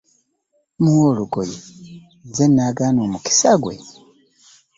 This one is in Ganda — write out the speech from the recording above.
Muwe olugoye nze nnaagaana omukisa gwe?